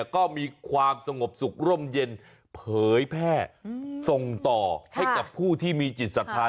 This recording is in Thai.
ก็มีความสงบสุขร่มเย็นเผยแพร่ส่งต่อให้กับผู้ที่มีจิตศรัทธา